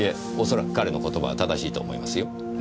恐らく彼の言葉は正しいと思いますよ。